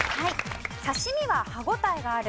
刺身は歯応えがある。